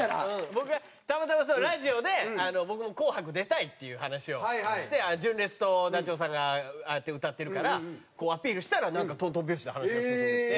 僕がたまたまラジオで「僕も『紅白』出たい」っていう話をして純烈とダチョウさんがああやって歌ってるからアピールしたらとんとん拍子で話が進んでいって。